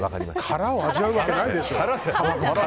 殻を味わうわけないでしょ。